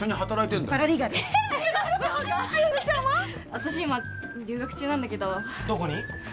私今留学中なんだけどどこに？